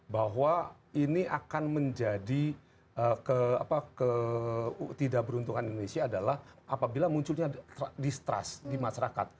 bahwa ini akan menjadi ke tidak beruntungan indonesia adalah apabila munculnya distrust di masyarakat